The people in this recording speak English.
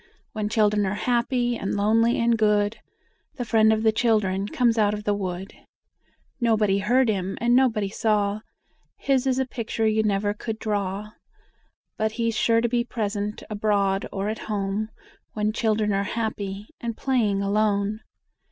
When children are happy and lonely and good, The Friend of the Children comes out of the wood. Nobody heard him and nobody saw, His is a picture you never could draw, But he's sure to be present, abroad or at home, When children are happy, and playing alone.